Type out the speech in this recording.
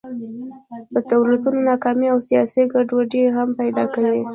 د دولتونو ناکامي او سیاسي ګډوډۍ هم پیدا کوي.